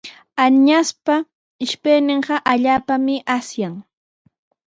Añaspa ishpayninqa allaapami asyan.